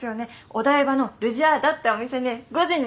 お台場のルジアーダってお店で５時に。